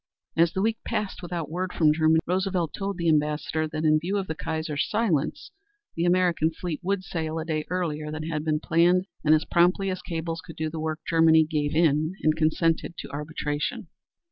As the week passed without word from Germany, Roosevelt told the Ambassador that in view of the Kaiser's silence, the American fleet would sail a day earlier than had been planned, and as promptly as cables could do the work, Germany gave in and consented to arbitration.